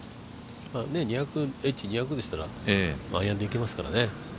エッジ２００でしたらアイアンでいけますからね。